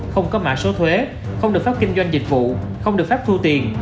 không có mạ số thuế không được pháp kinh doanh dịch vụ không được pháp thu tiền